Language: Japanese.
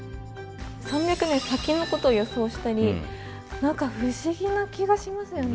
３００年先のことを予想したり何か不思議な気がしますよね。